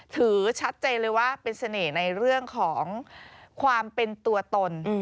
ถือชัดเจนเลยว่าเป็นเสน่ห์ในเรื่องของความเป็นตัวตน